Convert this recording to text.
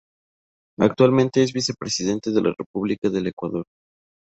Actualmente es Vicepresidente de la República del Ecuador.